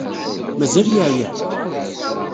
Mazal yeɛya?